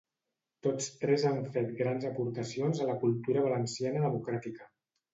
Tots tres han fet grans aportacions a la cultura valenciana democràtica.